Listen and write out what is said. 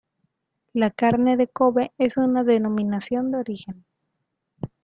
La carne de Kobe es una "denominación de origen".